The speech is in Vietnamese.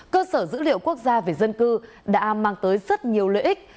cơ sở dữ liệu quốc gia về dân cư đã mang tới rất nhiều lợi ích